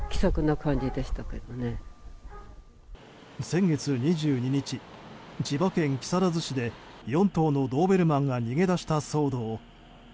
先月２２日、千葉県木更津市で４頭のドーベルマンが逃げ出した騒動。